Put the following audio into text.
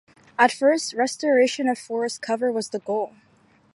At first, restoration of forest cover was the goal.